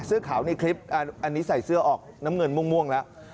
เสื้อขาวในคลิปอันนี้ใส่เสื้อออกน้ำเงินม่วงแล้ว